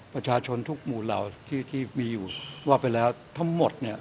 ประชาชนทุกหมู่เหล่าที่มีอยู่ว่าไปแล้วทั้งหมดเนี่ย